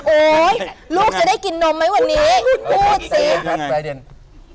โอ๊ยลูกจะได้กินนมไหมวันนี้พูดสิ